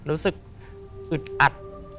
รู้สึกอึดอัด